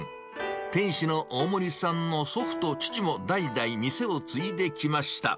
店主の大森さんの祖父と父も代々店を継いできました。